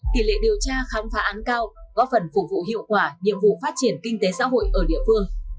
tỷ lệ điều tra khám phá án cao góp phần phục vụ hiệu quả nhiệm vụ phát triển kinh tế xã hội ở địa phương